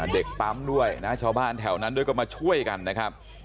เด็กปั๊มด้วยนะชาวบ้านแถวนั้นด้วยก็มาช่วยกันนะครับ